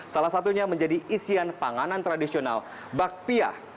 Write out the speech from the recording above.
dan diperkirakan sebagai isian makanan tradisional bakpia